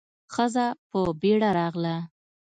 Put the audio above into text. ښځه په بيړه راغله.